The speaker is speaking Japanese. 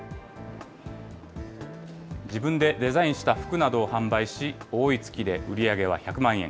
自分でデインした服などを販売し、多い月で売り上げは１００万円。